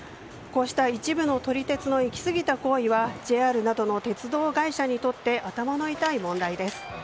こうした一部の撮り鉄の行き過ぎた行為はＪＲなどの鉄道会社にとって頭の痛い問題です。